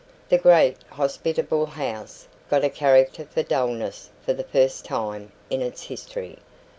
The great, hospitable house got a character for dullness for the first time in its history.